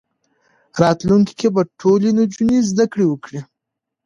راتلونکي کې به ټولې نجونې زدهکړې وکړي.